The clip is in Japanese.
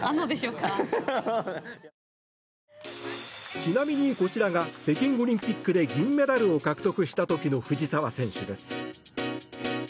ちなみにこちらが北京オリンピックで銀メダルを獲得した時の藤澤選手です。